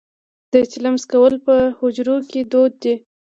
د چلم څکول په حجرو کې دود دی.